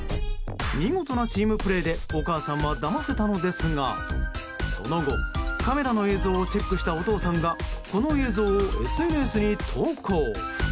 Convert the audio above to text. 見事なチームプレーでお母さんはだませたのですがその後、カメラの映像をチェックしたお父さんがこの映像をＳＮＳに投稿。